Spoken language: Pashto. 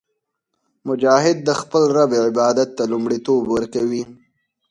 مجاهد د خپل رب عبادت ته لومړیتوب ورکوي.